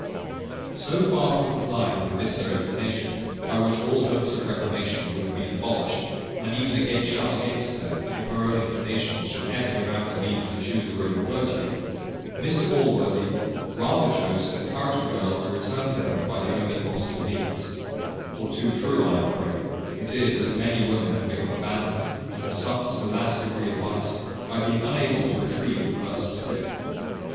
So far from complying with this their inclination, by which all hopes of reformation would have been abolished, and even the gate shut against her if her own inclinations should ever hereafter lead her to chuse the road of virtue, Mr Allworthy rather chose to encourage the girl to return thither by the only possible means; for too true I am afraid it is, that many women have become abandoned, and have sunk to the last degree of vice, by being unable to retrieve the first slip.